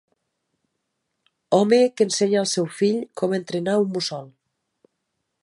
Home que ensenya al seu fill com entrenar un mussol.